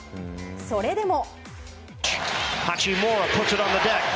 それでも。